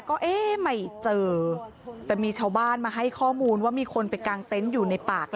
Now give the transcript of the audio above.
ก็เอ๊ะไม่เจอแต่มีชาวบ้านมาให้ข้อมูลว่ามีคนไปกางเต็นต์อยู่ในปาก